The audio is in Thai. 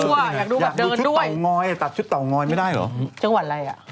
ชุดเตาง้อยตัดชุดเตาง้อยไม่ได้หรอ